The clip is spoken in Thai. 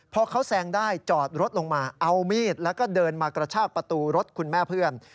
พอเขาแซงได้จอดรถลงมาเอามีดแล้วก็เดินมากระชากประตูรถคุณแม่เพื่อน